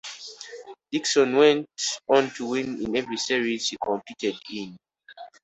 Dixon went on to win in every series he competed in.